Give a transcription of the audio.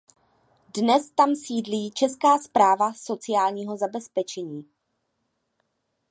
Dnes tam sídlí Česká správa sociálního zabezpečení.